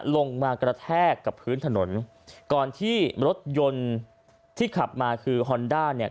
ลงมากระแทกกับพื้นถนนก่อนที่รถยนต์ที่ขับมาคือฮอนด้าเนี่ย